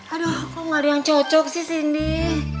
aduh kok gak ada yang cocok sih cindy